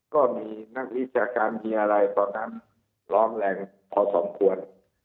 ก็มีลิตรเมืองมีอะไรก็นั้นล้อมแรงพอสมควร